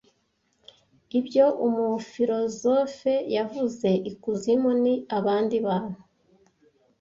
Ibyo umufilozofe yavuze "Ikuzimu ni abandi bantu"